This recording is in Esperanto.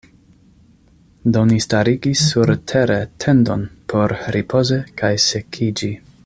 Do ni starigis surtere tendon por ripozi kaj sekiĝi.